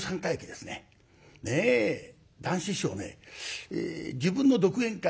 談志師匠ね自分の独演会